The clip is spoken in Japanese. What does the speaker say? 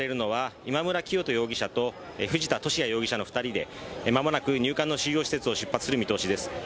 今村磨人容疑者と藤田聖也容疑者の２人で間もなく入管の収容施設を出発する見通しです。